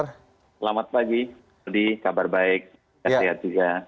selamat pagi jadi kabar baik kesehatan juga